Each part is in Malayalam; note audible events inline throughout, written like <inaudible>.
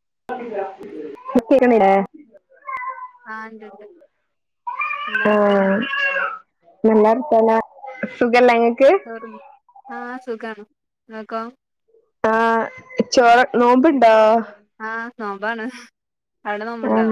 <unintelligible> ആഹ് ഇണ്ട്ണ്ട് എന്താ ആ വർത്താനം നല്ലർത്താനാ സുഖ ല്ലേ ഇങ്ങള് ചോറുന്നു ആ സുഖണ് ഇങ്ങക്കൊ ആ ചോറ നോമ്പുണ്ടോ ആ നോമ്പാണ് അവിടെ നോമ്പുണ്ടോ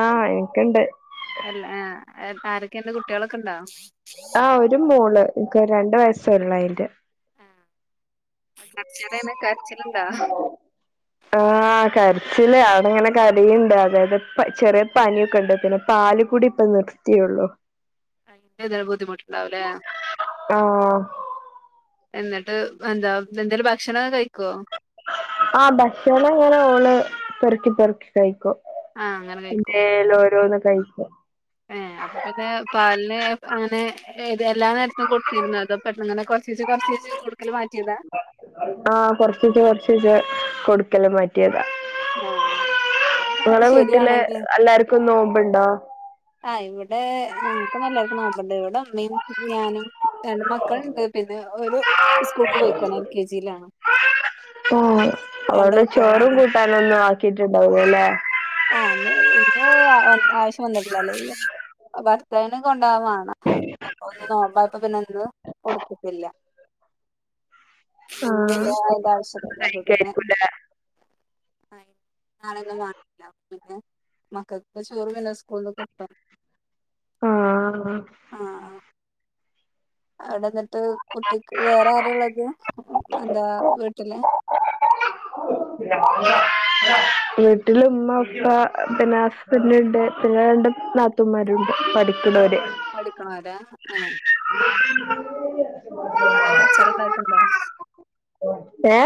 ആ എനിക്ക് ഇണ്ട് അല്ലഏ ആരൊക്കെണ്ട് കുട്ടികളൊക്കെ ഉണ്ടോ ആ ഒരു മോള് ക്ക് രണ്ട് വയസ്സ് ഒള്ളായിന്റെ <unintelligible> കരച്ചിലുണ്ടാ ആ ആകരച്ചില് ആ അവളിങ്ങനെ കരയ് ണ്ട്. അതായത് പ്പോ ചെറിയ പനിക്കെണ്ട് പിന്നെ പാല് കുടി ഇപ്പ നിർത്തിയൊള്ളൂ അതിന്റെ ഒര് ബുദ്ധിമുട്ട് ഇണ്ടാവും ലേ ആഹ് എന്നിട്ട് എന്താ എന്തേലും ഭക്ഷണക്കെ കഴിക്കോ ആ ഭക്ഷണം അങ്ങനെ ഓള് പെറുക്കി പെറുക്കി കഴിക്കും ആഹ് അങ്ങനെ പിനല്ലോര ഒന്ന കഴിച്ച ഏ അപ്പൊ പിന്നെ പാലിന് അങ്ങനെഏ ത് എല്ലാ നേരത്തും കൊടുത്തിരുന്നോ അതോ പെട്ടന്ന് ങ്ങനെ കൊർച്ചീച്ചേ കൊർച്ചീച്ചേ കൊടുക്കല് മാ റ്റി ആ കൊറച്ചീ ച്ചെ കൊറച്ചീ ച്ചെ കൊടുക്കല് മാറ്റിയതാ ആഹ് ഇങ്ങളെ വീട്ടില് ശരിയാണെങ്കില് എല്ലാർക്കും നോമ്പ് ണ്ടോ ആ ഇവിടെ ഞങ്ങക്ക് എല്ലാർക്കും നോമ്പ്ണ്ട് ഇവിടെ ഇമ്മീം ഞാനും രണ്ട് മക്കളുണ്ട് പി പിന്നെ ഒരു സ്കൂൾക്ക് പോയിക്ക്ണ് എൽ കെ ജിയിലാണ് ആ രണ്ട് അവള് ചോറും കുട്ടികളാണ് കൂട്ടാനൊന്നും ആക്കിട്ടുണ്ടാവുലെ ആ ന്ന് ഇന്ന് ആവശ്യം വന്നിട്ടില്ല അല്ലേല് ഭർത്താവിന് കൊണ്ടാവാന് വാണം അപ്പോ ഇന്ന് നോമ്പായപ്പൊ പിന്ന ഒന്നും കൊടുത്തിട്ടില്ല <inaudible> ഇ <unintelligible> ആഹ് അതിന്റെ ആവശ്യല്ല അപ്പൊ പിന്നേ കഴിക്കായിരിക്കൂല്ലേ ആ നാളെന്ന അപ്പൊ പിന്നെ മക്കൾക്ക് ചോറ് പിന്നെ സ്കൂലിന്ന് കിട്ടും ആ അവിടെന്നിട്ട് കുട്ടിക്ക് വേറെ ആരാള്ളത് എന്താ വീട്ടില് <unintelligible> വീട്ടിൽ ഉമ്മ ഉ പ്പ പിന്നെ ഹസ്ബന്റ് ണ്ട് പിന്നെ രണ്ട് നാത്തൂമാരുണ്ട് പഠി ക്കണേ ക്നോര് പഠി ക്കുനോരാ ഏ ആടെ കച്ചറണ്ടാക്കുന്നുണ്ടോ? ഏ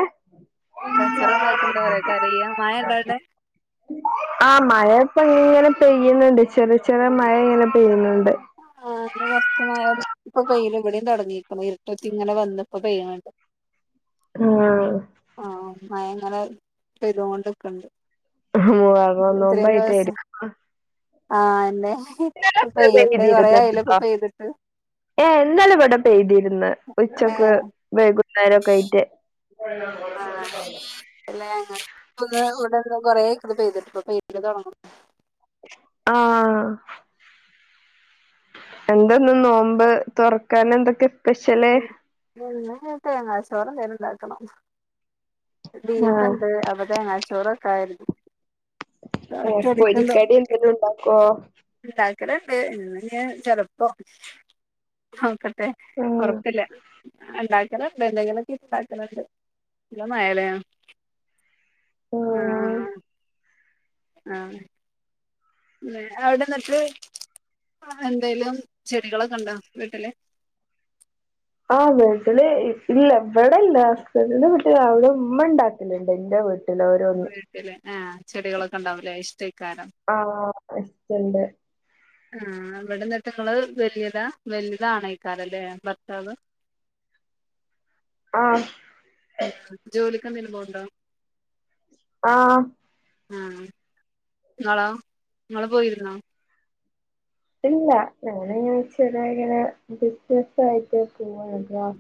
കച്ചറണ്ടാകണ്ടോ പറയാ കരയാ മഴണ്ടോവിടെ? ആ മഴ ഇപ്പ ഇങ്ങനെ പെയ്യണ് ണ്ട്. ചെറിയ ചെറിയ മഴ ഇങ്ങനെ പെയ്യ്ണ്‌ണ്ട്. ആ ഇവിടെ കുറച്ചു മ മഴഇപ്പൊ പെയ്യ്ണ്ഇവിടം തുടങ്ങിക്ക്ണ്. ഇരുട്ടുത്തി ഇങ്ങനെ വന്നു ഇപ്പോ പെയ്യ്ണ് ണ്ട് ആ മഴ അങ്ങനെ പെയ്തോണ്ട്ക്ക്ണ് ണ്ട് മുഹറം ഇത്രയും ദിവസം നോമ്പായിട്ടായിരിക്കും ആഹ ല്ലെ <inaudible> കുറെ ആയില്ലെ ഇപ്പോപെയ്തിട്ട് ഏ ഇന്നലെ ഇവിടെ പെയ്തിർന്ന്ഉച്ചക്ക് ഏഹ് വൈകുന്നേരൊക്കെ ആയിട്ട് <inaudible> കൊറെയ്ക്ണ് പെയ്തിട്ട്. ഇപ്പോ പെയ്തല് തുടങ്ങും. ആ എന്തന്ന് നോമ്പ് തുറക്കാനെന്തെക്കെ? <unintelligible> തേങ്ങാച്ചോറന്തങ്കിലും ഉണ്ടാക്കണം ആഹ് ബീഫ്‌ണ്ട്‌. അപ്പോ തേങ്ങച്ചോറ വെക്കാം കരുതി ഒറ്റ അടിക്ക് പോരികടി എന്തങ്കിലു ണ്ടാകോ? <unintelligible> ചിലപ്പോ നോക്ക മെ ആഹ് ഉറപ്പില്ല ഇണ്ടാക്കലുണ്ട്. എന്ത്കിലോക്കെഇണ്ടാക്കലുണ്ട്. ല്ല മഴലെ. ആ ആഹ് ആ അവിടെന്നട്ട് എന്തെലും ചെടികളൊക്കെ ഉണ്ടോ വീട്ടില്. ആ വീട്ടല് ഇല്ല ഇവിടെല്ല ഹസ്സന്റിന്റെ വീട്ട് ല് അവിടെ ഉമ്മ ഇണ്ടാക്കലുണ്ട് എന്റെ വീട്ടില്. ഓരോന്ന് വീട്ടില് ആ ചെടികളൊക്കെ ഉണ്ടാവൂലെ. ഇഷ്ടക്കാരം. ആ ഇഷ്ട്ടണ്ട്. ആഇവിടെങ്ങള് വലിയതാ. വലുത് ആണക്കാരല്ലെ. ഭർത്താവ് <inaudible> ആഹ് ജോലിക്കെന്തങ്കിലും പോവുണ്ടോ? ആഹ് ആഹ് ങ്ങളോ? ങ്ങള് പോയിരുന്നോ? ഇല്ല ഞാനങ്ങനെചെറിയങ്ങനെ ബിസിന ആയിട്ട് പോവ.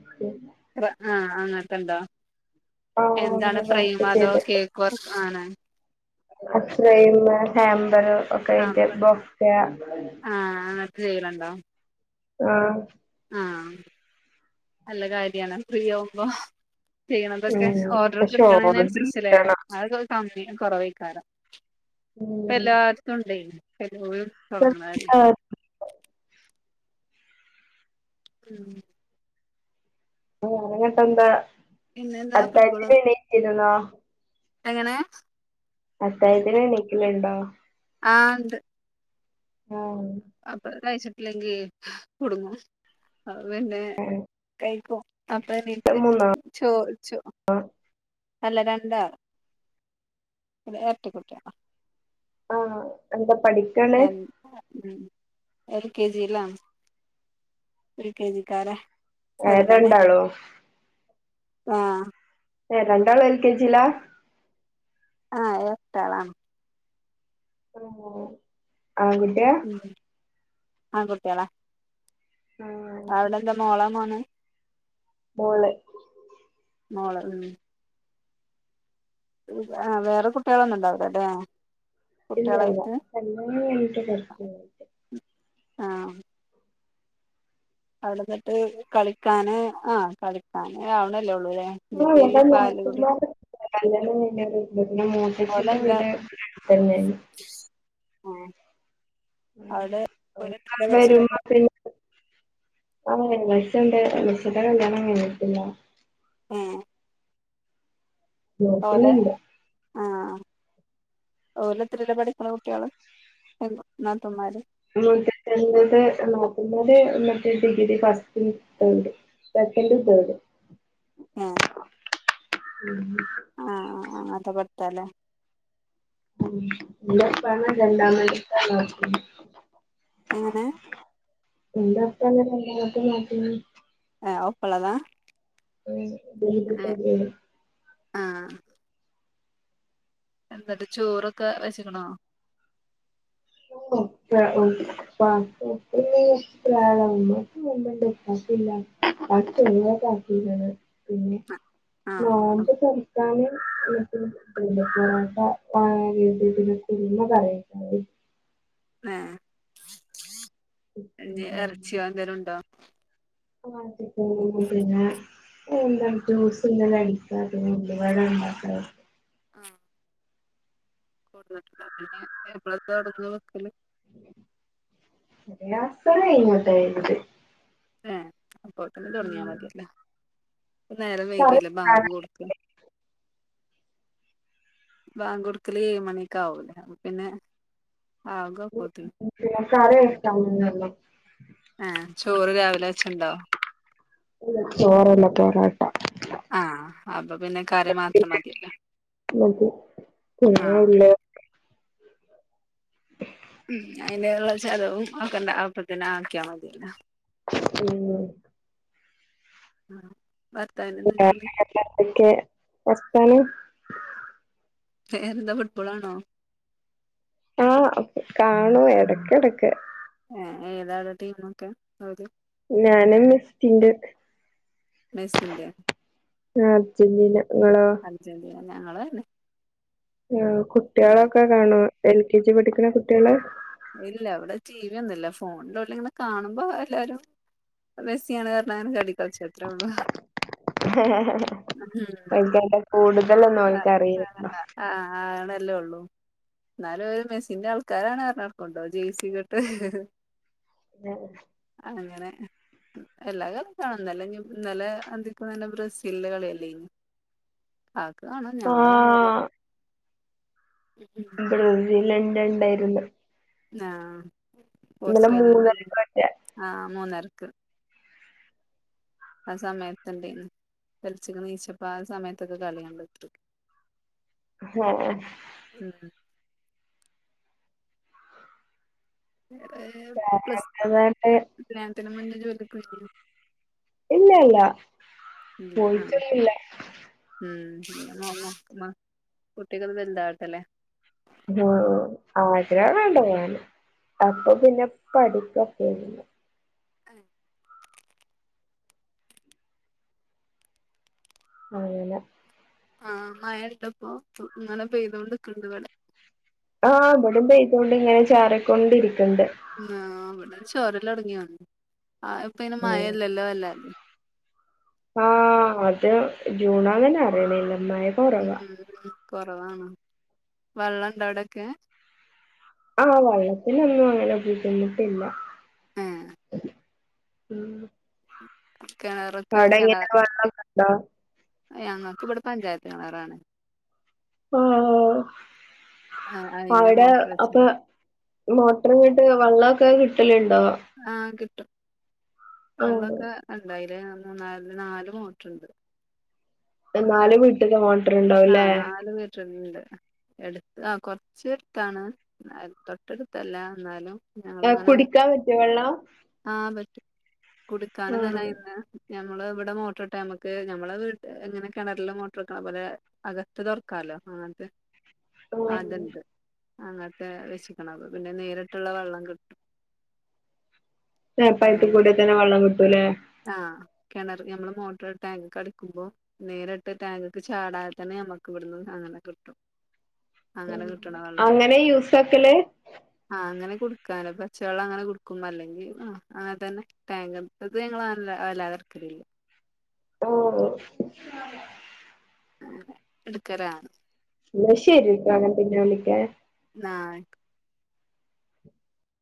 റആ അങ്ങത്തെ ഇണ്ടോ? ആഹ് എന്താണ് അങ്ങനെ വർക്ക് ഫ്രൈമോ അതോ കേക്കോ അങ്ങനെ ഫ്രൈമ് ട്ടമ്പർ ഒക്കെ ആഹ് ആയിട്ട് ഇപ്പം ചെയ്യലണ്ടോ? ആ ആഹ് നല്ല കാര്യണ്. ഫ്രീ ആകുമ്പോ ചെയ്യണതൊക്കെ ഉം ഓർഡർ പക്ഷെ കിട്ടണന് ഓർഡർ അനുസരിച്ചല്ലേ കിട്ടണം അതക്കെ കമ്മിന് കുറവായിരിക്കും. ഉം ഇപ്പോഎല്ലായിത്തും ഉണ്ടെ <unintelligible> തുറന്നാല് <inaudible> ആ അങ്ങട്ടന്താ പിന്നെന്താ ഫുട്ബോള് അത്തായത്തിന് എണീച്ചിരുന്നോ? എങ്ങനെ? അത്തായത്തിന് എണീക്കലുണ്ടോ? ആഹ് ഇണ്ട്. ആഹ് അപ്പോ കഴ്ച്ചിട്ടില്ലെങ്കി കുടുങ്ങും അപ്പോ പിന്നെ കഴിക്കും. അപ്പോ എണീറ്റ് മൂന്നോ ചോ ചോ അല്ല രണ്ടാള്, <unintelligible> എരട്ടകുട്ടിയളാ. ആ എന്താ പഠി ഉം എൽ കെ ജിയില എൽ കെ ജി കാര ഏ രണ്ടാളോ ആ ഏ രണ്ടാളും എൽ കെജിലാ ആ എരട്ടേള ഓ ആൺകുട്ടിയാ ആൺ കുട്ടിളാ ആഹ് അവിടെ എന്താ മോളമോനാ മോള് മോള് ഉം വേറെ കുട്ടേളൊന്നും ഇണ്ടാവൂലല്ലേ ഇല്ലല്ല <unintelligible> ആ അവിടെന്നിട്ട് കളിക്കാന് ആ കളിക്കാന് അവ ല്ലേള്ളൂലെ ആഹ് പിന്നെപ്പോ ഈ ഇവിടെ പാല് കുടി നാത്തൂന്മാരൊക്കെണ്ട് ഓലെന്താ <unintelligible> ആ അവള് ഓന് എത്രയിപഠിച്ച്ണത് ഇപ്പൊ ആ ബെയ്‌സണ്ട് <unintelligible> ആഹ പോലെ നോക്കുന്നുണ്ട് ആഹ ഓലത്തെരിലാ പഠിക്കുണ് കുട്ടികള് <unintelligible> നാത്തൂൻമാര് <inaudible> സെകന്റ് തേട് ആ ആ ആഹഅത <unintelligible> ഉം നല്ല ഉം വാർത്തനല്ലേ <unintelligible> എങ്ങനെ എന്താ വർത്താനം രണ്ടാമത്തെ നാത്തൂന് ആ ഒപ്പള്ളതാ <inaudible> ആ എന്തട്ട ചോറൊക്കെ വെച്ച്ക്കുണോ ഓ <unintelligible> പിന്നെ <unintelligible> പിന്നെ ആഹ് നോമ്പ് തൊറക്കാന് <unintelligible> പൊറാട്ട <unintelligible> കറി ഹേ <unintelligible> പിന്നെ <inaudible> ആ കൊടന്ന് <unintelligible> പിന്നെ എപ്പളാ തൊടങ്ങ വെ ക്കല് ഒര് അസർ കഴിഞ്ഞോട്ടേ ഇങ്ങട്ട് ഹേ അപ്പൊത്തിന് തുട പ്പൊ നേരം വൈകി കറി അല്ലേ ബാങ്ക് കൊടുക്ക <unintelligible> ബാങ്ക് കൊട്ക്കല് ഏഴ മണിക്കാവൂലേ അപ്പൊ പിന്നെ ആകും അപ്പത്തിന് കറി വെക്കാനള്ളൂ ആഹ ചോറ് രാവിലെ വെച്ചത് ഇണ്ടോ ഇല്ല ചോറല്ല പോറാട്ട ആഹ അപ്പോ പിന്നെ കറി മാത്രം മതിയല്ലോ മതി പിന്നെ ആഹ ഉള്ള് ഉ അയിനുള്ള ചെലവും <unintelligible> ഒ ക്കാണ്ട് അപ്പ തന്നെ ആക്കിയാൽ മതിയല്ലോ ശ <inaudible> ആ അ ൊക്കെ വസ്ഥാന <inaudible> വേറെന്താ ഫുട്ബോളാണോ ആഹ കാണും ഇടക്കെടക്ക് ഏ ഏതാണ് ടീമൊക്കെ <unintelligible> ങ്ങൾത് ഞാനും മെസ്സിണ്ട് മെസ്സി <unintelligible> ൻ്റെ ആഹഛുന്നിന <inaudible> അഞ്ചജ ഞങ്ങള് തന്നെ <inaudible> <unintelligible> ആ കുട്ടികളൊക്കെ ന്നാലും കാണോ എൽ കെ ജി പഠിക്കുന്ന കുട്ടികളെ ഫോണിന്റെ ഉള്ളിൽ ഇങ്ങനെ കാണുമ്പോ എല്ലാരും മെസ്സിയാണ് <unintelligible> കാരണം അനെ ക <unintelligible> നക്ഷത്ര <unintelligible> അ അ അഹ് അത് കൊണ്ട് കൂടുതലൊന്നും അവൻക്ക് അറിയില്ലല്ലോ <unintelligible> അത് അല്ലേ ഉള്ളൂ എന്നാലും <unintelligible> അവര് മെസ്സിന്റെ ആൾക്കാരാണ് എന്ന് <unintelligible> പറഞ്ഞ് നടക്കുന്നുണ്ടോ ജൈസി ഒക്കെ ഇട്ട് ഉ <inaudible> അങ്ങനെ എല്ലാവരും അത് <unintelligible> കാണലന്നെല്ലെ ഇന്നലെ അന്തിക്ക് <unintelligible> ബ്രസീലിൻ്റെ കളിയല്ലെയ്ന്ന ഹേ <inaudible> കാക്ക കാണും ഞങ്ങള് കാണൂല <unintelligible> ഇ്രൽണ്ട ഉണ്ടായിരുന്നു ആഹ പോർച്ചുഗലിന്റെ <unintelligible> മൂന്നരക്കൊറ്റെ ആഹ മൂന്നരക്ക് ആ സമയതുണ്ടായിരുന്നു പെൽചക്ക് നീച്ചപ്പോ ആ സമയത്തൊക്കെ <unintelligible> കളിണ്ടത്ത <unintelligible> ആഹ <unintelligible> വേറെ പ്രശ്‌ന കല്യാണത്തിന് മുന്നേ ജോലിക്ക് കു പോയിന്നോ ഇല്ല ഇല്ല ഇല്ല പോയിട്ടൊന്നില്ല <unintelligible> കുട്ടികൾ വലുതാവട്ടല്ലേ ആ <unintelligible> ആഗ്രഹോണ്ട് അപ്പൊ പിന്നെ പഠിക്കൊക്കൊയിരുന്നു ഹേ അങ്ങനെ ആഹ മഴ ഇള്ളപ്പോ ഇങ്ങനെ പെയ്തോണ്ടിരിക്ക്ണ്ട്ണ്ട് ഇവിടെ ആഹ ഇവിടിം പെയ്തോണ്ട് ഇങ്ങനെ ചാറിക്കൊണ്ടിരിക്ക ആ അവിടെ ചോരല് തുടങ്ങിയോ <unintelligible> അയ്പ്പയിന് മഴേയില്ലാല്ലേ അല്ലെ ആ അത് ജൂണാന്നന്നെ അറിയുന്നില്ല മഴ കുറവ കൊറവാണോ വെള്ളം ഇണ്ട അവിടൊക്കെ ആഹ് വെള്ളത്തിനൊന്നും അങ്ങനെ ബുദ്ധിമുട്ടില്ല ഏഹ് ഉം കിണറൊക്കെ അവിടെട എങ്ങനെ വെള്ളൊക്കെണ്ടോ <unintelligible> ഞങ്ങൾക്ക് ഇവിടെ പഞ്ചായത്ത് കിണറാണ് ആഹ ആഹ് അയിന്റെ അവിടെ മോട്ടർ അപ്പൊ വെച്ച്ണ് മോട്ടറിങ്ങിട്ട് വെള്ളമൊക്കെ കിട്ടലുണ്ട ആ കിട്ടും ആഹ് വെള്ളൊക്കെ ഉണ്ടായി <unintelligible> അല് <unintelligible> മൂന്നാല് നല് മോട്ടുണ്ട് എന്നാലും വീട്ടില് മോ ആ നാലു പേരുണ്ട് എടുത്ത ആ കുറച്ച എടുത്താണ് എന്ന തൊട്ടടുത്തല്ല എന്നാലും ആ ഞങ്ങളിങ്ങനെ കുടിക്കാൻ പറ്റിയ വെള്ള കൊടുക്കാണ്െന്നല്ല ഇന്ന് ഞമ്മള് ഇവിടെ മോട്ടർ ഇട്ടെ നമ്മുക്ക് നമ്മളെ വീ എങ്ങനെ കിണറില് മോട്ടർ വെക്കണ പോലെ അകത്ത് ദൊർക്കാലോ അങ്ങത് വ അങ്ങനത്തെ വച്ചിക്കണം അപ്പ പിന്നെ നേരിട്ടുള്ള വെള്ളം കിട്ടും നേർപയത്തി അങ്ങനെ കൂട തന്നെ വെള്ളം കിട്ടൂലേ ആഹ് കിണർ നമ്മള് മോട്ടോർ ടാങ്ക്െ കടിക്കുമ്പോ നേരിട്ട് ടാങ് ഒക്കെ ചാടാ ഇത്തന നമക്ക് വിടുന്നത് അങ്ങനെ കിട്ടും അങ്ങനെ കിട്ടണ വെള്ളണ്ട് അങ്ങനെ യൂസാക്കല് കൊടുക്കാനോ പച്ചവെള്ളം അങ്ങനെ കൊടുക്കുമ്പോ അല്ലെങ്കിൽ അങ്ങനെ തന്നെ ടാങ് അത് ങ്ങല്ല അല്ലാതെ ക്കലില്ല ഓഹ് ഒ എടുക്കാല ഇല്ല ശരി ഇരിക്കങ്ങൻ പിന്നെ വിളിക്ക ആഹ്